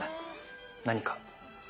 何か？